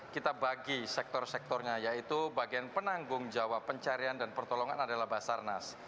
kita bagi sektor sektornya yaitu bagian penanggung jawab pencarian dan pertolongan adalah basarnas